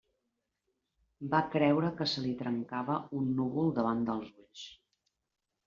Va creure que se li trencava un núvol davant dels ulls.